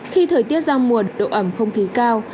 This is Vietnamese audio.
khi thời tiết ra muộn độ ẩm không khí cao